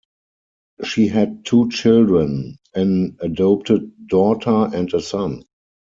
She had two children, an adopted daughter and a son.